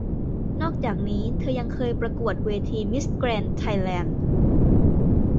นอกจากนี้เธอยังเคยประกวดเวทีมิสแกรนด์ไทยแลนด์